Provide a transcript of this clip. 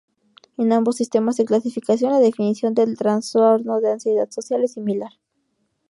En ambos sistemas de clasificación la definición del trastorno de ansiedad social es similar.